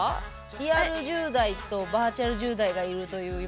リアル１０代とバーチャル１０代がいるという。